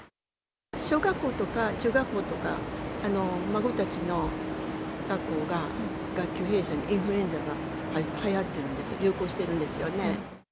小学校とか中学校とか、孫たちの学校が学級閉鎖に、インフルエンザがはやってるんですよ、流行してるんですよね。